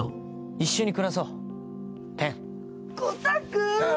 一緒に暮らそうてんコタくん！